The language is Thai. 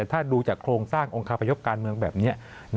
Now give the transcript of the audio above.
ถ้าดูจากโครงสร้างองคาพยพการเมืองแบบนี้